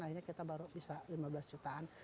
akhirnya kita baru bisa lima belas jutaan